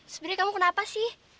sebenernya kamu kenapa sih